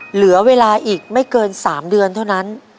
เหลือเวลาอีกไม่เกิน๓เดือนเท่านั้น